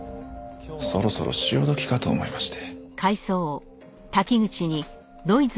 そろそろ潮時かと思いまして。